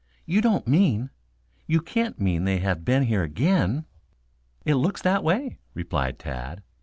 "You don't mean you can't mean they have been here again?" "It looks that way," replied Tad.